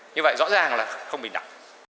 như vậy rõ ràng là không bình đẳng